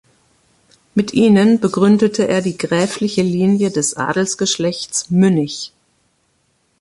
Mit ihnen begründete er die gräfliche Linie des Adelsgeschlechts Münnich.